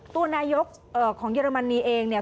ตัวนายกของเยอรมนีเองเนี่ย